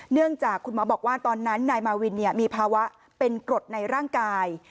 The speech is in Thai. เนื่องจากคุณหมอบอกว่าตอนนั้นนายมาวินมีภาวะเป็นกรดในร่างกาย